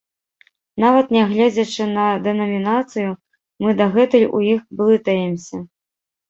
Нават нягледзячы на дэнамінацыю, мы дагэтуль у іх блытаемся.